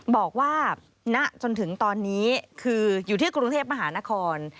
บอกว่าณจนถึงตอนนี้คืออยู่ที่กรุงเทพมหานคร